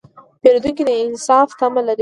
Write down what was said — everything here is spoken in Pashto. پیرودونکی د انصاف تمه لري.